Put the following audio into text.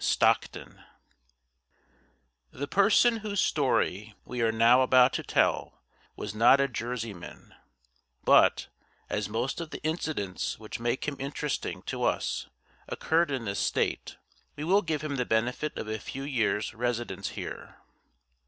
Stockton The person whose story we are now about to tell was not a Jerseyman; but, as most of the incidents which make him interesting to us occurred in this State, we will give him the benefit of a few years' residence here.